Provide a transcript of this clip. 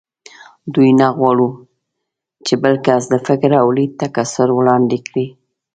دوی نه غواړ چې بل کس د فکر او لید تکثر وړاندې کړي